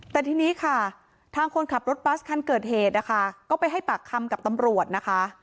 แต่ทีนี้ค่ะทางคนขับรถบัสคันเกิดเหตุนะคะก็ไปให้ปากคำกับตำรวจนะคะ